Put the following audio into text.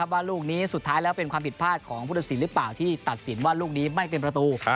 ว่าลูกนี้สุดท้ายแล้วเป็นความผิดพลาดของผู้ตัดสินหรือเปล่าที่ตัดสินว่าลูกนี้ไม่เป็นประตู